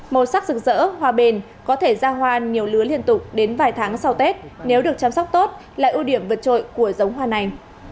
màu sắc rực rỡ hoa bền có thể ra hoa nhiều lứa liên tục đến vài tháng sau tết nếu được chăm sóc tốt là ưu điểm vượt trội của giống hoa này